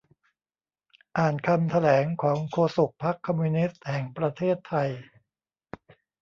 อ่านคำแถลงของโฆษกพรรคคอมมิวนิสต์แห่งประเทศไทย